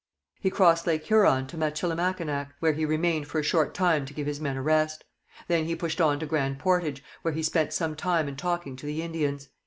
He crossed Lake Huron to Michilimackinac, where he remained for a short time to give his men a rest. Then he pushed on to Grand Portage, where he spent some time in talking to the Indians.